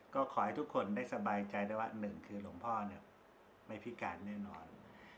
ก็ขอให้ทุกคนได้สบายใจได้ว่าหนึ่งคือหลวงพ่อไม่พิการแน่นอน